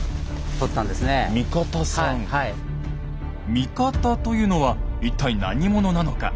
味方というのは一体何者なのか。